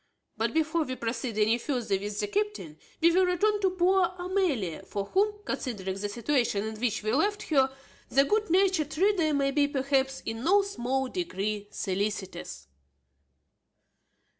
But before we proceed any further with the captain we will return to poor Amelia, for whom, considering the situation in which we left her, the good natured reader may be, perhaps, in no small degree solicitous.